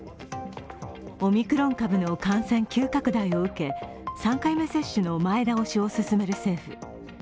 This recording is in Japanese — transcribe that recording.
オミクロン株の感染急拡大を受け、３回目接種の前倒しを進める政府。